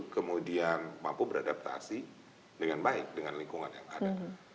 kemudian mampu beradaptasi dengan baik dengan lingkungan yang ada